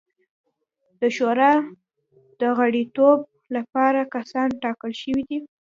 د شورا د غړیتوب لپاره کسان ټاکل شوي وو.